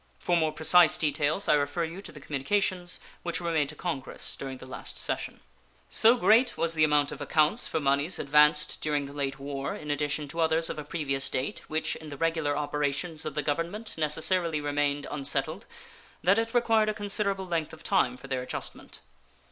For more precise details I refer you to the communications which were made to Congress during the last session. So great was the amount of accounts for moneys advanced during the late war, in addition to others of a previous date which in the regular operations of the Government necessarily remained unsettled, that it required a considerable length of time for their adjustment.